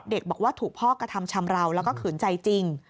บอกว่าถูกพ่อกระทำชำราวแล้วก็ขืนใจจริง